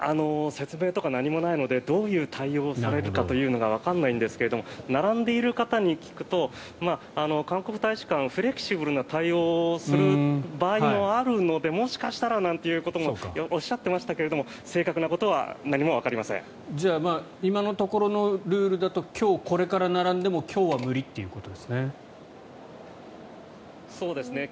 説明とか何もないのでどういう対応をされるかというのがわからないんですけれど並んでいる方に聞くと韓国大使館はフレキシブルな対応をする場合もあるのでもしかしたらなんていうこともおっしゃっていましたけど今のところのルールだと今日、これから並んでも今日は無理ということですね。